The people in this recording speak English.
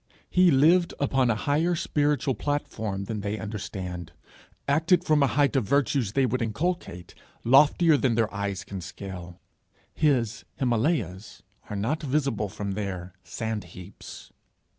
He lived upon a higher spiritual platform than they understand, acted from a height of the virtues they would inculcate, loftier than their eyes can scale. His Himalays are not visible from their sand heaps.